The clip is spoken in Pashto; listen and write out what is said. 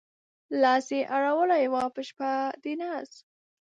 لاس يې اړولی و په شپه د ناز